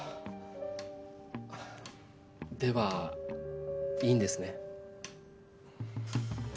ではいいんですね？